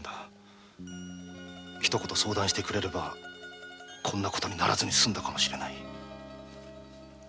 一言相談してくれればこんな事にならずにすんだかもしれない。